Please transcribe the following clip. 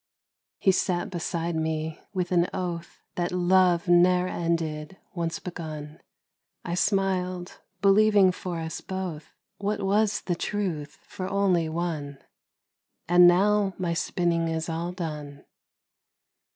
He sat beside me, with an oath That love ne'er ended, once begun; I smiled, believing for us both, What was the truth for only one: And now my spinning is all done.